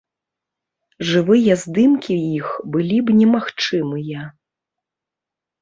Жывыя здымкі іх былі б немагчымыя.